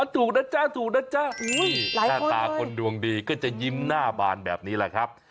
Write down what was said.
ถูกนะจ๊ะถูกนะจ๊ะหน้าตาคนดวงดีก็จะยิ้มหน้าบานแบบนี้แหละครับ